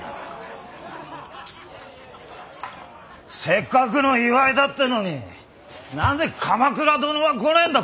せっかくの祝いだってのに何で鎌倉殿は来ねえんだ小四郎。